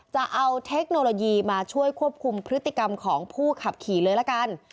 จะเอาเทคโนโลยีมาช่วยควบคุมพฤติกรรมของผู้ขับขี่เลยละกัน